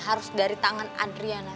harus dari tangan andriana